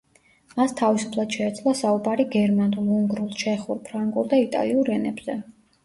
მას თავისუფლად შეეძლო საუბარი გერმანულ, უნგრულ, ჩეხურ, ფრანგულ და იტალიურ ენებზე.